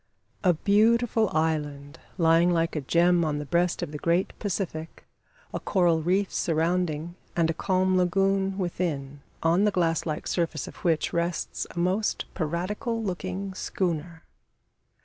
A beautiful island lying like a gem on the breast of the great Pacific a coral reef surrounding, and a calm lagoon within, on the glass like surface of which rests a most piratical looking schooner.